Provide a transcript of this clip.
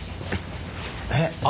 えっ？